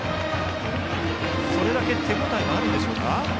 それだけ手応えがあるんでしょうか。